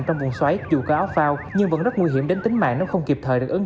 trong vụ xoáy dù có áo phao nhưng vẫn rất nguy hiểm đến tính mạng nếu không kịp thời được ứng